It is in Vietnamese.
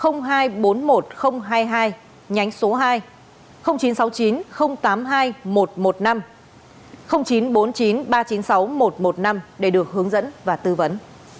nhánh số hai chín trăm sáu mươi chín tám mươi hai một trăm một mươi năm chín trăm bốn mươi chín ba trăm chín mươi sáu một trăm một mươi năm để được hướng dẫn và tư vấn